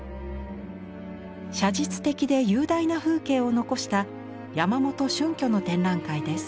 写実的で雄大な風景を残した山元春挙の展覧会です。